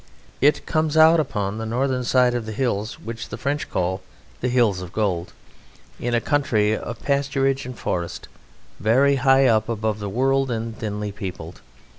It comes out upon the northern side of the hills which the French call the Hills of Gold, in a country of pasturage and forest, very high up above the world and thinly peopled.